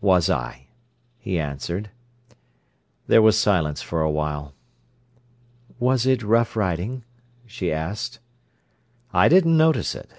"Was I?" he answered. There was silence for a while. "Was it rough riding?" she asked. "I didn't notice it."